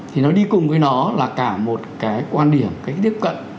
thì nó đi cùng với nó là cả một cái quan điểm cái tiếp cận